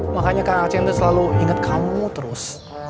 makanya kang aceng tuh selalu inget kamu terus